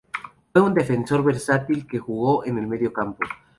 Fue un defensor versátil que jugó en el medio campo.